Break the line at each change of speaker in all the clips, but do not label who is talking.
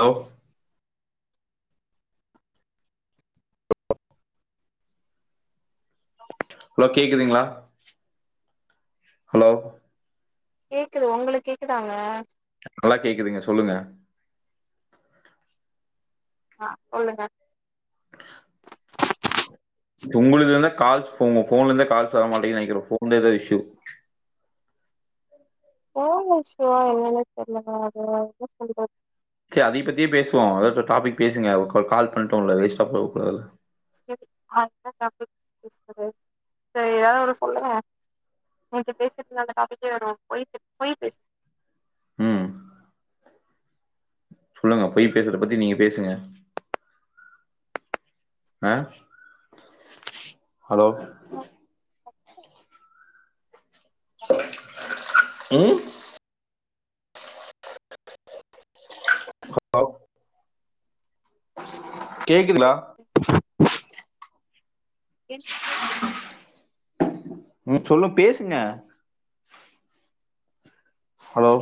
Hello hello கேக்குதுங்களா hello
கேக்குது ஒங்களுக்கு கேக்குதாங்க
நல்லா கேக்குதுங்க சொல்லுங்க
ஆ சொல்லுங்க
உங்கல இருந்தா கால்ஸ் உங்க ஃபோன்ல இருந்த கால்ஸ் வர மாட்டேங்கு நெனைக்குற ஃபோன்லேதா இஷ்யூ
ஃபோன்ல இஷ்யூவா என்னானே தெரிலங்க அது என்ன சொல்றது
சேரி அதயி பத்தியே பேசுவோ அதாவது டாப்பிக் பேசுங்க கால் பண்ட்டோல்ல வேஸ்டா போகக்கடாது
சேரி அடுத்த டாபிக் பேசறது சேரி ஏதாவது ஒரு சொல்லுங்க [inaudible]
ம் சொல்லுங்க பொய் பேசுறத பத்தி நீங்க பேசுங்க ஆ ஹலோ ம் ஹலோ கேக்குதுங்ளா
[inaudible]
ம் சொல்லு பேசுங்க ஹலோ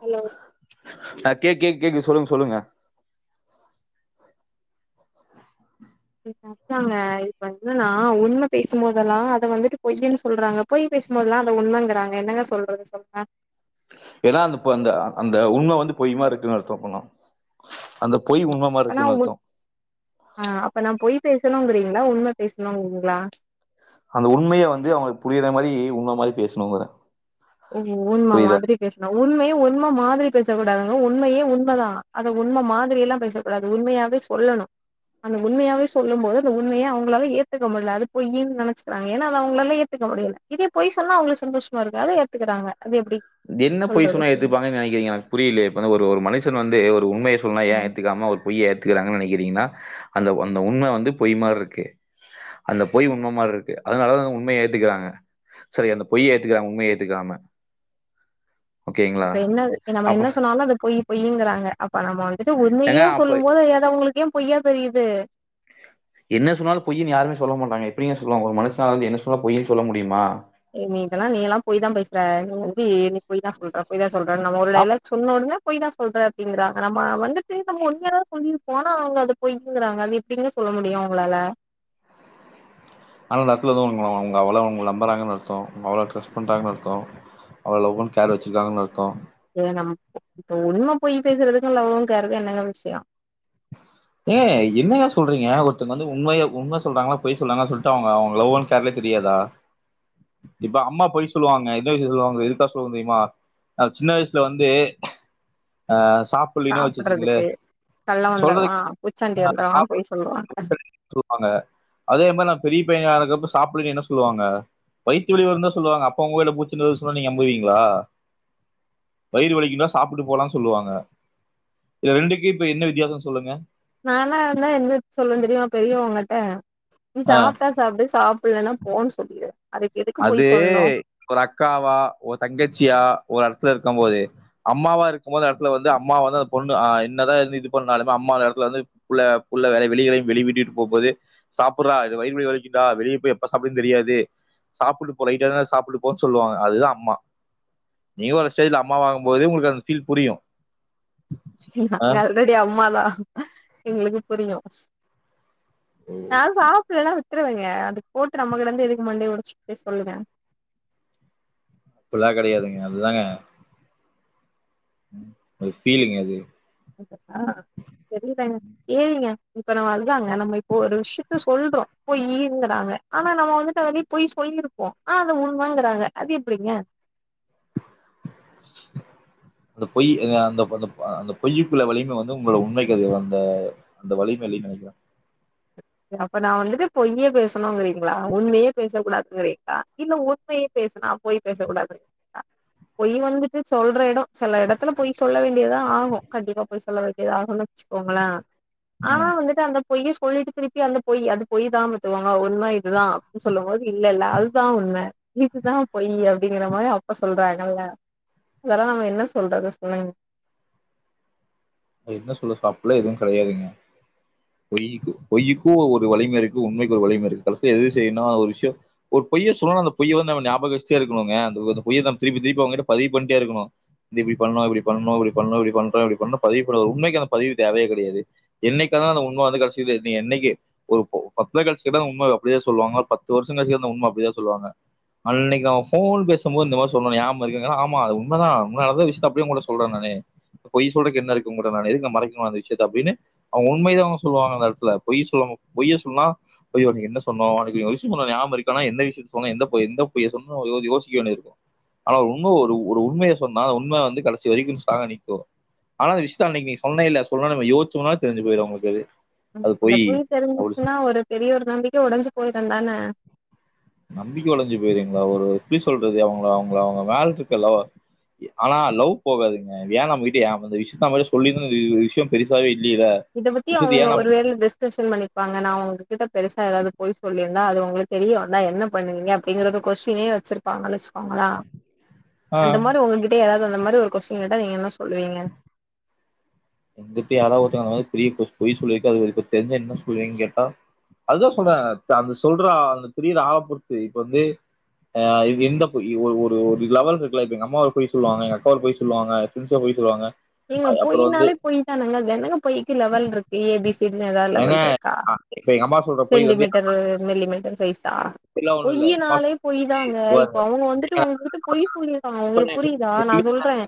ஹலோ
ஆ கேக் கேக் கேக்கு சொல்லுங்க சொல்லுங்க
[unintelligible] ங்க இப்ப வந்து நா உண்ம பேசும் போதெல்லா அத வந்துட்டு பொய்ன்னு சொல்றாங்க பொய் பேசு மோதல்லா அத உண்மங்குறாங்க என்னங்க சொல்றது சொல்லுங்க
ஏன்னா அந்த பொ அந்த அந்த அந்த உண்ம வந்து பொய் மாரி இருக்குன்னு அர்த்த அப்பனா அந்த பொய் உண்மைம மாரி
அப்பனா
இருக்குன்னு
உ
அர்த்த
ஆ அப்ப நா பொய் பேசணுங்கிறீங்களா உண்ம பேசணுங்கீங்களா
அந்த உண்மைய வந்து அவுங்களுக்கு புரியிற மாரி உண்ம மாரி பேசணுங்குறே
ஓ உண்மா மாதிரி பேசனு உண்மைய உண்ம மாதிரி பேசக்கூடாதுங்க உண்மையே உண்மதா அது உண்ம மாதிரியல்லா பேச கூடாது உண்மையாவே சொல்லனு அந்த உண்மையாவே சொல்லும் போது அந்த உண்மைய அவுங்களால ஏத்துக்க முல்ல அது பொய்யின் நெனச்சிக்கிறாங்க ஏன்னா அது அவுங்களால ஏத்துக்க முடில இதே பொய் சொன்னா அவுங்களு சந்தோஷமா இருக்காரு ஏத்துக்குறாங்க அது எப்டி
என்ன பொய்
சொல்றது
சொன்னா
சொல்லுங்க?
ஏத்துப்பாங்கன்னு நெனக்கிறீங்க எனக்கு புரியலயே இப்பனா ஒரு ஒரு மனுஷன் வந்து ஒரு உண்மைய சொ சொன்னா ஏ
ம்.
ஏத்துக்காம ஒரு பொய்ய ஏத்துக்குறாங்கன்னு நெனக்கிறீங்கன்னா அந்த அந்த உண்ம வந்து பொய் மாரி இருக்கு அந்த பொய் உண்ம மாரி இருக்கு அதனாலதா அந்த உண்மைய ஏத்துக்கிறாங்க சரி அந்த பொய் ஏத்துக்குறாங்க உண்மைய ஏத்துக்காம ஓகேங்களா?
இப்ப என்னது நம்ம
அப்ப
என்ன சொன்னாலு அது பொய் பொய்ங்றாங்க அப்ப நம்ம வந்துட்டு
ஏங்க
உண்மயே
அப்ப
சொல்லும் போது அது அவுங்களுக்கு ஏ பொய்யா தெரியுது
என்ன சொன்னாலு பொய்ன் யாருமே சொல்ல மாட்டாங்க எப்டிங்க சொல்லுவாங்க ஒரு மனுஷனால என்ன சொன்னாலு பொய்யே சொல்ல முடியுமா
நீ இதல்லா நீ எல்லா பொய் தா பேசுற நீ வந்து நீ பொய் தா சொல்ற பொய் தா சொல்ற நம்ம ஒரு
ஆ.
டயலாக் சொன்ன ஒடனே பொய் தா சொல்ற அப்டிங்கிறாங்க நம்ம வந்துட்டு நம்ம உண்மையதா சொல்லிருப்போ ஆனா அவுங்க அது பொய்ங்கறாங்க அது எப் எப்டிங்க சொல்ல முடியு அவுங்களால
ஆனா நடத்துல த உண்ம அவுங்க அவ்வள உங்கள நம்புறாங்கன்னு அர்த்தோ அவ்வளோ ட்ரஸ் பண்றாங்கனு அர்த்தோ அவ்ள லவ் அன் கேர் வச்சிருக்காங்கன் அர்த்தோ
து நம் இப்ப உண்ம பொய் பேசுறதுக்கு லவ்வு ன் கேர்க்கு என்னங்க விஷ்யோ
ஏ என்னங்க சொல்றீங்க ஒருத்தங்க வந்து உண்மய உண்ம சொல்றாங்ளா பொய் சொல்றாங்ளா சொல்லிட்டு அவுங்க அவ்ங்க லவ் அன் கேர்ல தெரியாதா இப்ப அம்மா பொய் சொல்லுவாங்க என்ன விசயம் சொல்லுவாங்க எதுக்கா சொல்லுவங்க தெரியுமா ஆ சின்ன வயசுல வந்து ஆ சாப் பிள்ளினா வச்சிச்சுங்ளே
சாப்புட்றதுக்கு கள்ள
சொல்றதே
வந்துருவா பூச்சாண்டி
ஆ
வந்துருவா
சாப்புடு
பொய் சொல்லுவாங்க
[unintelligible] சொல்வாங்க அதே மாரி நா பெரிய பைய ஆனக்கப்ற நா சாப்பின்னு என்ன சொல்லுவாங்க வயித்து வலி வருந்தா சொல்லுவாங்க அப்ப உங்கயில பூச்சினு சொன்னா நீங்க நம்புவீங்ளா வயிறு வலிக்குணா சாப்புட்டு போலான் சொல்லுவாங்க இது ரெண்டுக்கு இப்ப என்ன வித்தியாசோ சொல்லுங்க
நானா இருந்தா என்ன சொல்லுவன் தெரியுமா பெரியவங்கட்ட நீ
ஆ.
சாப்ட்டா சாப்டு சாப் பில்லனா போன்னு சொல்லு
அது ஒரு அக்காவா ஒரு தங்கச்சியா ஒரு எடத்துல இருக்கம் போது அம்மாவா இருக்கும் போது எடத்துல வந்து அம்மாவ வந்து அந்த பொண்ணு ஆ என்னதா இது பண்ணாலு அம்மாலாத எடத்துல வந்து புள்ள புள்ள வெளிகளையு வெளிவிட்டு போ போது சாப்புறா இது வயிறுவழிக்குதா வெளிய பேய் எப்ப சாப்புடவுனு தெரியாது சாப்புடு போ லைட்டாதா சாப்புடு போ சொல்லு வாங்க அதுதா அம்மா நீ ஒரு ஸ்டேஸ் அம்மாவாகும் போது உங்குளுகு அந்த பீல் புரியு
நாங்க ஆல்ரெடி அம்மாதா எங்கிளுக்கு புரியு நா சாப்புள்ளனா விட்ருவிங்க அது போட்டு நம்ம கிட இருந்து எதுக்கு மண்டய ஒடச்சிக்ட்டு சொல்லுவே
அப்புல்லா கெடையாதுங்க அதுதாங்க ஒரு பீலிங் அது
அ தெரியலங்க ஏனுங்க இப்ப நம்ம அதுதாங்க நம்ம இப்போ ஒரு விஷயத்த சொல்றோ போய் ஈறுங்குறாங்க ஆனா நம்ம வந்துட்டு அதே போய் சொல்லியிருப்போ ஆனா அது உண்மாங்குறாங்க அது எப்பிடிங்க
அந்த பொய் அந்த அ அந்த பொய்யுக்குள்ள வலிமை வந்து உங்களோ உண்மைகள் வந்த அந்த வலிமேலி நினைக்கலா
அப்ப நா வந்துட்டு பொய்யே பேசணுங்குறீங்களா உண்மையே பேச கூடாதுங்குறீங்களா இல்ல உண்மையே பேசுனா பொய் பேச கூடாது பொய் வந்துட்டு சொல்ற எடோ சில எடத்துல பொய் சொல்ல வேண்டியதா ஆகு கண்டிப்பா பொய் சொல்ல வேண்டியத ஆகுனு வச்சுக்கோங்களே ஆனா
ம்.
வந்துட்டு அந்த பொய்ய சொல்லிட்டு திருப்பி அந்த பொய் அந்த பொய் தா பத்துவாங்க உண்மை இதுதா அப்டின்னு சொல்லும் போது இல்ல இல்ல அதுதா உண்ம இதுதா பொயி அப்டிங்கற மாரி அப்ப சொல்றாங்கல்ல அதெல்லா நம்ம என்ன சொல்றது சொல்லுங்க
என்ன சொல்ல சாப்லே எதுவு கெடையாதுங்க பொய்க்கு பொய்க்கும் ஒ ஒரு வலிம இருக்கு உண்மைக்கு ஒரு வலிம இருக்கு கடசில எது செய்யுனா அ ஒரு விஷியோ ஒரு பொய்ய சொன்னாலு அந்த பொய்ய வந்து நம்ம நாபக வச்சிட்டே இருக்கனுங்க அந்த ஒது பொய்ய திருப்பி திருப்பி அவங்ககிட்ட பதிவு பண்ட்டே இருக்கணு இப்டி இப்டி பண்ணு இப்டி பண்ணணு இப்டி பண்ணு இப்ப பண்றோ இப்டி பண்ணு பதிய கூடாது உண்மைக்கான பதிவு தேவயே கெடையாது என்னைக்காந்தாலு அந்த உண்ம வந்து கடசில நீ என்னைக்கு ஒரு ப பத்து நா கழிச்சி கேட்டாலு உண்ம அது அப்டிதா சொல்லுவாங்க ஒரு பத்து வருஷொ கழிச்சு கேட்டாலு உண்ம அப்டிதா சொல்லுவாங்க அன்னைக்கு அவ ஃபோன் பேசும்போது இந்த மாரி சொன்ன நியாபகொ இருக்காங்கனா ஆமா அது உண்மதா உண்ம அதா விஷயத்த அப்டியே உங்கள்ட்ட சொல்ற நானே பொய் சொல்றக்கு என்ன இருக்கு உங்கள்ட நான் எதுக்கு மறைக்கணு அந்த விஷயத்த அப்டின்னு அவங்க உண்மைதாங்க சொல்லுவாங்க அந்த எடத்துல பொய் சொல்வாங்க பொய்யே சொன்னா பொய் வந்து என்ன சொன்னோ அனைக்கு ஒரு விஷயோ சொன்னோ ஞாபகொ இருக்கானா எந்த விஷயத்த சொன்னொ எந்த பொய்ய எந்த பொய்ய சொன்னோ யோ யோசிக்க வேண்டியது இருக்கு ஆனா உண்ம ஒரு ஒரு உண்மைய சொன்னா உண்ம வந்து கடைசி வரைக்கு ஸ்ட்ராங்க நிக்கு ஆனா அந்த விஷயத்த அன்னைக்கு நீ சொன்னே இல்ல சொன்னே நம யோச்சோன தெரிஞ்சு போயிரு அவங்களுக்கு அது
அந்த பொய்
அப்படி
தெரிஞ்சுச்சுன்னா ஒரு பெரிய ஒரு நம்பிக்க ஒடைஞ்சு போயிருந்தானே
நம்பிக்க ஒடஞ்சு போயிருங்களா ஒரு எப்டி சொல்றது அவங்கள அவங்களா அவங்க மேல இருக்கு அல்லவா ஆனா லவ் போகாதுங்க ஏனா நம்மகிட்ட ஏ அந்தந்த விஷயத்த நம்மட்ட சொல்லிருந்தா இ விஷயோ பெருசாவே இல்லில்ல
இத பத்தி அவங்க ஒரு வேல டெஸ் கெஷன் பண்ணிப்பாங்க நா உங்க கிட்ட பெருசா எதாவ்து போய் சொல்லிருந்தா அது உங்களுக்கு தெரிய வந்தா என்ன பண்ணுவீங்க அப்டிங்கற கொ கொஸ்டினே வச்சிரு ப்பாங்கனு வச்சுக்கோங்கள
ஆ
அந்த மாரி உங்ககிட்டே யாராவ்து அந்த மாரி ஒரு கொஸ்டின் கேட்டா நீங்க என்ன சொல்லுவீங்க
வந்துட்டு யாராவ் ஒருத்தங்க அந்த மாரி பெரிய பெ பொய் சொல்லிருக்கு அது இப்ப தெரிஞ்சா என்ன சொல்லுவீங்கன் கேட்டா அதுதா சொல்றே த அந்த சொல்ற அந்த புரிற ஆள பொறுத்து இப்ப வந்து ஆ இ இந்த பொய் ஒரு ஒரு ஒரு லெவல் இருக்குல்ல இப்ப எங்க அம்மா ஒரு பொய் சொல்லுவாங்க எங்க அக்கா ஒரு பொய் சொல்லுவாங்க தினுசா பொய் சொல்லுவாங்க
ஏங்க
அ- அப்புறம் வந்து
பொய்னாலே பொய் தானங்க அதுல என்னங்க பொய்க்கு லெவல் இருக்கு ஏ பி சி னு எதாவ்து
ஏங்க
லெவல் இருக்கா
அ- இப்ப எங்க அம்மா சொல்ற பொய்
சென்ட்டி
வந்து
மீட்டரு மில்லி மீட்டர் சைசா
எல்லாம் ஒண்ணும் இல்ல எங்க அம்மா
பொய்யுனாலே பொய்தாங்க இப்ப
சொல்லுவாங்க
அவங்க வந்துட்டு உங்கள்ட்ட வந்துட்டு பொய் சொல்லியிருக்காங்க
இப்ப
ஒங்களுக்
நான்
புரியுதா நா
கேட்கிறேன்
சொல்றே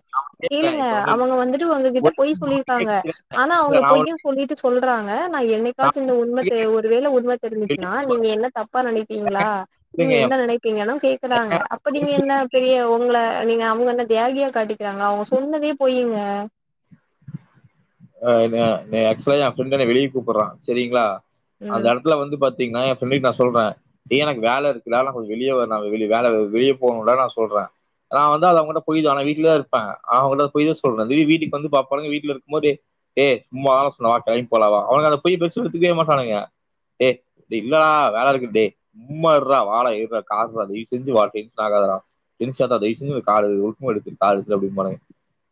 [inaudible]
கேளுங்க
இப்ப வந்
அவங்க வந்துட்டு உங்ககிட்ட பொய் சொல்லியிருக்காங்க ஆனா அவங்க
நான்
பொய்யு
ஒண்ணு-
சொல்லிட்டு சொல்றாங்க நா என்னைக்
நான்
காச்சு இந்த உண்ம தெ ஒரு வேள உண்ம
கேக்குறேன்.
தெரிஞ்சுச்சுன்னா நீங்க என்ன தப்பா நெனைப்பீங்களா நீங்க
என்
என்ன நெனைப் பீங்கனு கேக்குறாங்க அப்ப நீங்க
பையன்
என்ன பெரிய உங்கள நீங்க அவங்க என்ன தியாகியா காட்டிக்கிறாங்களா அவங்க சொன்னதே பொய்யுங்க
ஆ மே மே ஆக்சுவலா எ ஃப்ரெண்ட் என்ன வெளியே கூப்புட்றா செரிங்களா
ம்
அந்த எடத் துல வந்து பாத்தீங்கன்னா எ ஃப்ரெண்டுக்கிட்ட நா சொல்ற ஏ எனக்கு வேல இருக்குடா நம்ம வெளியே வே நா வெளி வேலரு வெளிய போகணுன்டா நா சொல்றே நா வந்து அத அவங்கள்ட்ட பொய்தா ஆனா வீட்லதா இருப்பே அவங்கள்ட்ட பொய்தா சொல்ன திடிர்னு வீட்டுக்கு வந்து பாப்பானுங்க வீட்ல இருக்கும்மோது ஏ சும்மாலால சொன்ன வா கெளம்பி போலா வா அவனுக்கு அந்த பொய்ய பேசுனத எடுத்துக்கவே மாட்டானுங்க டே தில்லா வேல இருக்குட்டே சும்மார்ருறா வாடா ஏடுற காசறா தயவ் செஞ்ச வாடா டென்ஷன் ஆக்காதடா டென்ஷ் ஏத்தாத தயவ் செஞ்சு கார எடு ஒழுக்கமா எடுத்துடு கா எடுத்துரு அப்டிம்பானுங்க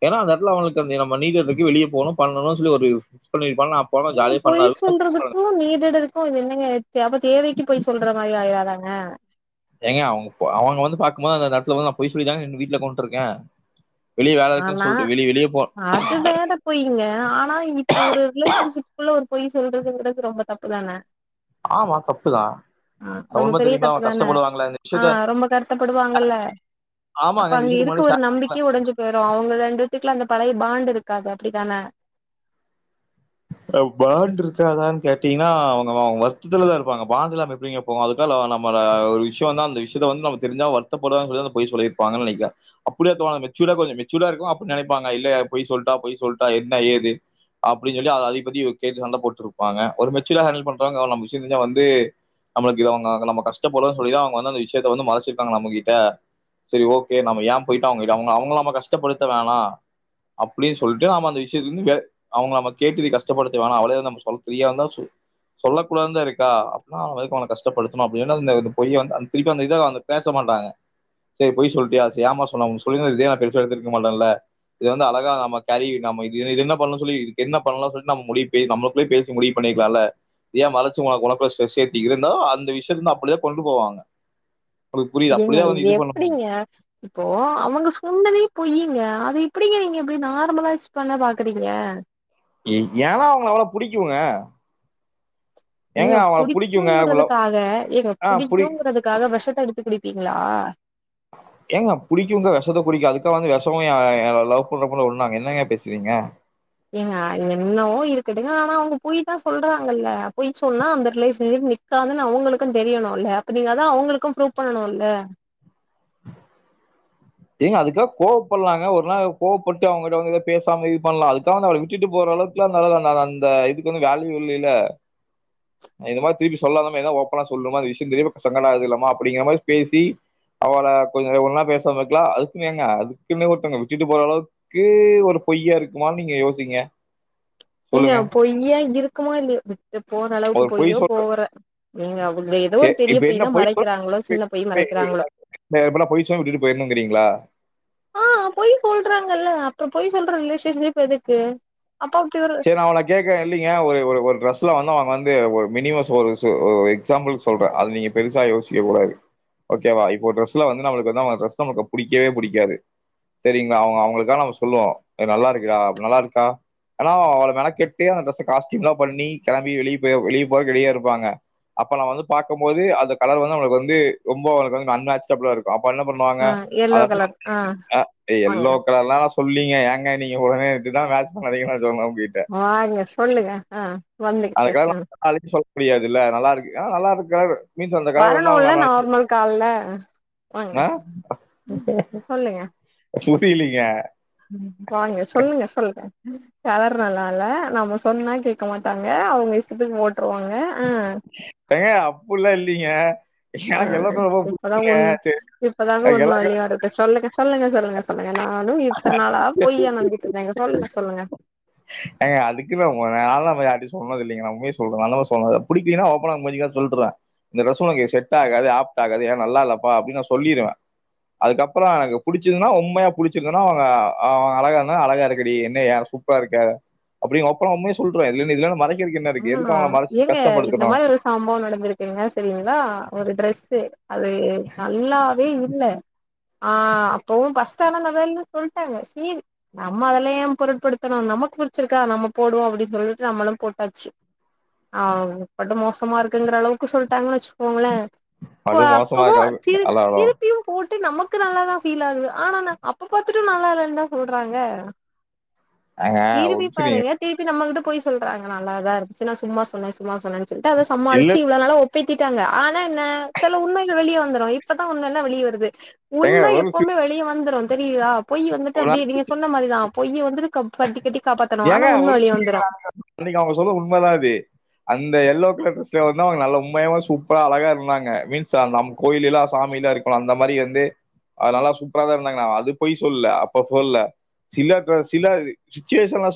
ஏனா அந்த எடத்துல அவங்ளுக்கு நம்ம நியு இயர் அன்னிக்கு வெளிய போணு பண்ணணு சொல்லி ஒரு விஷ் பண்ணிருப்பாங்க அப் போனா ஜாலி ஃபண்ணா இருக்கு
கு நீங் சொல்றதுக்கு இது என்னங்க வித்தியா அப்போ தேவைக்கு போய் சொல்ற மாரி ஆய்றாதாங்க
ஏங்க அவங் ப அவங்க வந்து பாக்கும்போது அந்தந்த எடத்துல ஒக்காந்து பொய் சொல்லிதாங்க இன்கு வீட்ல உக்காண்டுருக்கே வெளிய வேல இருக்குன்னு
ஆனா
சொல்ட்டு வெளிய வெளிய போ
அது வேறப் இப்போ இங்க ஆனா இப்போ ஒரு ரிலேஷன்ஷிப்க்குள்ள ஒரு பொய் சொல்றதுங்கறது ரொம்ப தப்பு தான
ஆமா தப்புதா
ஆ ரொம்ப பெரிய தப்புதான ஆ
விஷயத்த
ரொம்ப கருத்தப்படுவாங்கல்ல அப்ப
ஆமாங்க இந்த
அங்க
விஷயத்துக்கு
இருக்க
முன்னாடி
ஒரு நம்பிக் கே உடைஞ்சு போயிடு அவங்க ரெண்டுத்துல அந்த பழைய பாண்ட் இருக்காது அப்டித்தான
பாண்டு இருக்காதான்னு கேட்டீங்கன்னா அவங்கங்க வருத்தத்துலதா இருப்பாங்க பாண்ட் இல்லாம எப்டிங்க இப்ப அதுக்கால நம்மள ஒரு விஷ்யோ வந்தா அந்த விஷயத்த வந்து நம்ம தெரிஞ்சா வருத்தப்படுவாங்கனுதா பொய் சொல்லிருப்பாங்கன்ன நெனைக்கறே அப்படியேத்துவாங்க மெச்சூர்டா கொஞ்ச மெச்சூர்டா இருக்கவு அப்டி நெனைப்பாங்க இல்ல பொய் சொல்ட்டா பொய் சொல்ட்டா என்ன ஏது அப்டின்னு சொல்லி அத அத பத்தி கேட்டு சண்ட போட்டுருப்பாங்க ஒரு மெச்சூரா ஹேண்டல் பண்றவங்க அவ நம் விஷ்யோ தெரிஞ்சா வந்து நம்மளுக்கு இவங்க நம்ம கஷ்டப்படுறன்னு சொல்லிதா அவங்க வந்து அந்த விஷயத்த வந்து மறைச்சிருக்காங்க நம்ம கிட்ட செரி ஓகே நம்ம ஏ போயிட்டு அவங்கிட்ட அவங்க அவங்கள நம்ம கஷ்டப்படுத்த வேணா அப்டின்னு சொல்லிட்டு நாம அந்த விஷயத்துல இருந்து வ அவ்ங்க நமக் கேட்டு இத கஷப்படுத்து வேணா அவளே நம் சொல் ஃபிரியா இருந்தா சொல் சொல்லக்கூடாதுனுதா இருக்கா அப்ப அவள வந்து அவளை கஷ்டப்படுத்தணு அப்டின்னு அந்த பொய்ய வந்து அந்த திருப்பி அந்த இத வந்துட் பேச மாட்டாங்க செரி பொய் சொல்லிட்டியா சரி ஏமா சொன்னாங்க சொல்லிங்க இதே நா பெருசா எடுத்து இருக்க மாட்டேன்ல இத வந்து அழகா நம்ம கேரி நம்ம இத என்ன பண்ணு சொல்லி என்ன பண்ணலா சொல்லி நம்ம முடி பே நம்மளுக்குள்ளே பேசி முடிவு பண்ணிக்லா இல்ல ஏ மர்ச்சு உனக் ஒடம்புல ஸ்ட்ரெஸ் ஏத்திக்கிறன் இருந்தா அந்த விஷயத்த அப்டிதான் கொண்டு போவாங் உனக்கு புரியுதா அப்டிதா வந்து இது பண்ணு
[unintelligible] இப்போ அவங்க சொன்னதே பொய்ங்க அத எப்டிங்க நீங்க இப்டி நார்மலா யூஸ் பண்ண பாக்குறீங்க
எ ஏன்னா அவங்கள அவ்ளவு புடிக்குங்க
ஏங்க
பிடிக்குங்க அவ்வளவு-
புடிக்குங்கறதுக்காக ஏங்க
ஆ புடி
புடிக்குங்கறதுக்காக விஷத்த எடுத்து குடிப்பீங்களா
ஏங்க புடிக்குங்க விஷத்த குடிக்கு அதுக்கா வந்து விஷமு எ என்ன லவ் பன்ற பொண்ணு ஒன்னாங்க என்னங்க பேசுறீங்க
ஏங்க என்னவோ இருக்கட்டுங்க ஆனா அவங்க பொய்தா சொல்றாங்கல்ல பொய் சொன்னா அந்த ரிலேஷன் நிக் காதுன்னு அவங்களுக்கு தெரியணுல்ல அப்ப நீங்க தா அவங்கள்க்கு ப்ரூஃப் பண்ணணும்ல்ல
ஏங்க அதுக்காக கோவப்பட்லாங்க ஒரு நாள் கோவப்பட்டு அவங்கிட்டங்க பேசாம இது பண்ணலா அதுக்காக வந்து அவள விட்டுட்டு போற அளவுக் இதுக்கெல்லா நல்லாதா அந்த இதுக்கு வேல்யூ இல்லில்ல இந்தத மாதி திருப்பி சொல்லாதமா எதனா ஓப்பனா சொல்லுமா அந்த விஷ்யோ தெரியாம சங்கட ஆகுதுலமா அப்டிங்கிற மாதி பேசி அவள கொஞ்சோ ஒரு நாள் பேசாம இருக்கலா அதுக்குன் ஏங்க அதுக்குன்னே ஒருத்தங்க விட்டுட்டு போற அளவுக் கு ஒரு பொய்யா இருக்குமானு நீங்க யோசிங்க
ஏங்க
சொல்லுங்க
பொய்யா இருக்குமா இல்லையா விட்டுட்டு போற
ஒரு
அளவுக்கு
பொய்
பொய்யோ
சொல்ற
போகற நீங்க அவங்கள ஏதோ ஒரு
சரி
பெரிய
இப்ப
பொய் தா மறைக்கிறாங்களோ சின்ன பொய் மறைக்கிறாங்களோ
இப்பல்லா பொய் சொன்னா விட்டுட்டு போயிர்ணுங்றீங்களா
ஆ பொய் சொல்றாங்கல்ல அப்ப பொய் சொல்ற ரிலேஷன்ஷிப் எதுக்கு அப்ப அப்டி ஒரு
நா அவள கேட்கற இல்லைங்க ஒரு ஒரு டிரெஸ்ல வந்து அவங்க வந்து ஒரு மினிமோ ஒரு சொல் ஒரு எக்ஸாம்பிள் சொல் சொல்றே அது நீங்க பெருசா யோசிக்கக் கூடாது ஓகேவா இப்போ டிரெஸ்ல வந்து நம்மளுக்கு வந்து அவங்க டிரெஸ் நமக்கு பிடிக்கவே பிடிக்காது செரிங்களா அவங்க அவங்களுக்காக நம்ம சொல்லுவோ ஏ நல்லா இருக்குடா நல்லா இருக்கா ஆனா அவள மெனக்கெட்டு அந்த டிரெஸ் காஸ்டயூம்லா பண்ணி கெளம்பி வெளியே போய் வெளிய போறதுக்கு ரெடியா இருப்பாங்க அப்ப நா வந்து பாக்கம் போது அந்த கலர் வந்து அங்களுக்கு வந்து ரொம்போ அன்மேட்ச் ப்ளா இருக்கு அப்ப என்ன பண்ணுவாங்க
ஆ எல்லோ கலர் ஆ
[unintelligible] டே
வாங்க
எல்லோ கலர்லா சொல்லீங்க ஏங்க நீங்க உடனே இதுடதா மேட்ச் பண்ணாதீங்கனு நா சொல்ணு அவங்ககிட்ட
பாருங்க சொல்லுங்க அ வந்துகிட்டு அ
அதுக்கு சொல்ல முடியாதுல்ல நல்லா இருக்கு ஆ நல்லா இருக்கு கலரூ [inaudible]
வரணுல்ல நார்மல் கால்ல வாங்க
என்ன
சொல்லுங்க
புரியிலீங்க
வாங்க சொல்லுங்க சொல்லுங்க கலர் நல்லா இல்ல நம்ப சொன்னா கேக்க மாட்டாங்க அவங்க இஷ்டத்துக்கு போட்டுருவாங்க
ஏங்க அப்படிலா இல்லிங்க
ஆ இப்பத ஒன்னு
சரி
இப்பதாங்க
எனக்கு எல்லோ
ஒன்னு
கலர்
வழியா இருக்கு சொல்லுங்க சொல்லுங்க சொல்லுங்க சொல்லுங்க நானு இத்தன நாளா பொய்யா நம்பிட்டு இருந்தேங்க சொல்லுங்க சொல்லுங்க
ஏங்க அதுக்குமே உங்கள நான்லா போய் யார்டையு சொன்னது இல்லைங்க நா உண்மைய சொல்றங்க நல்லவ சொன்னாரு புடிக்கலைன்னா ஓப்பன்னா மூஞ்சிக்கு நேர சொல்றா இந்த டிரெஸ் உனக்கு செட் ஆகாது ஆப்ட் ஆகாது ஏனா நல்லா இல்லப்பா அப்டின்னு நா சொல்லிருவே அதுக்கப்பறோ அங்க புடிச்சதுன்னா உண்மையா புடிச்சிருக்குன்னா அவன் அவங்க அழகா இருந்தா அழகா இருக்க டி என்னைய யாரு கூப் கருப்பா இருக்க அப்டின்னு ஒப்பன்னா உண்மைய சொல்ருறோ இதுலே இருந்து இதுல என்ன மறைக்கிறதுக்கு என்ன இருக்கு எதுக்கு அவங்கள மறைச்சிட்டு கஷ்டப்படுத்தனு
சம்பவ நடந்திருக்கு சரிங்களா ஒரு ட்ரெஸ்சு அது நல்லாவே இல்ல ஆ அப்பவு பஸ் ஸ்டாண்ட வேலனு சொல்ட்டாங்க சீவி நம்ம அதெல்ல ஏன் பொருட்படுத்தணு நமக்கு புடிச்சிருக்கா நம்ம போடுவோ அப்படின்னு சொல்லிட்டு நம்மளும் போட்டு டச்சு ஆ படு மோசமா இருக்குங்கற அளவுக்கு சொல்லிட்டாங்கனு வச்சுக்கோங்களே போ
அது மோசமா
அப்பத
இருக்காது.
திரு
ஹலோ, ஹலோ.
திருப்பியு போட்டு நமக்கு நல்லாத ஃபீல் ஆகுது ஆனா ந அப்ப பாத்துட்டு நல்லா இல்லன்னு தா சொல்றாங்க
ஏங்க ஒரு
திருப்பி
நிமிஷம் நீங்க
பாருங்க திருப்பி நம்மகிட்ட பொய் சொல்றாங்க நல்லாதான் இருந்துச்சு நா சும்மா சொன்னே சும்மா சொன்னேனு சொல்லிட்டு அத
இல்ல
சமாளிச்சு இவளோ நாள ஒத்துகிட்டாங்க ஆனா என்ன சில உண்மைகள் வெளிய வந்துரு இப்பத உண்மைல வெளிய வருது
ஏங்க
உண்ம
ஒரு நிமிஷம்.
எப்பவுமே வெளிய வந்துரு தெரியுதா பொய் வந்துட்டு அப்டியே நீங்க சொன்ன மாரித பொய் வந்துட்டு கப் கட்டி கட்டி காப்பாத்தணு
ஏங்க
ஆனா உண்ம
ஒரு
வெளிய
நிமிஷம்
வந்துரு
அன்னைக்கு அவங்க சொன்னது உண்ம தா அது அந்த எல்லோ கலர் டிரெஸ்லயு வந்து அவங்க நல்லா உண்மையவே சூப்பரா அழகா இருந்தாங்க மீன்ஸ்லா அந்த அம் கோயில்லா சாமிலா இருக்கு இப்போ அந்த மாரி வந்து அது நல்லா சூப்பராதா இருந்தாங்க அது பொய் சொல்ல அப்ப சொல்ல சில டிரெஸ் இல்ல அது சுச்சுவேஷன்ல சொல்